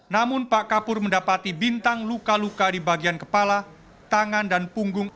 namun pak kapur mendapati bintang luka luka di bagian kepala tangan dan punggung